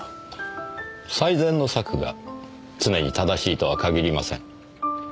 最善の策が常に正しいとは限りません。